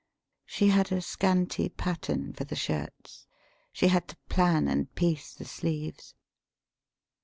She had a scanty pattern for the shirts; she had to plan and piece the sleeves.